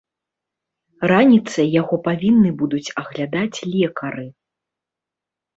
Раніцай яго павінны будуць аглядаць лекары.